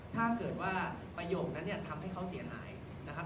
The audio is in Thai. ถ้าเกิดว่าประโยคนั้นเนี่ยทำให้เขาเสียหายนะครับ